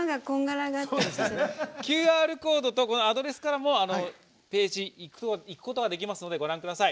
ＱＲコードとアドレスからもページにいくことができますのでご覧ください。